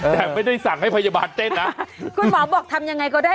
แต่ไม่ได้สั่งให้พยาบาลเต้นนะคุณหมอบอกทำยังไงก็ได้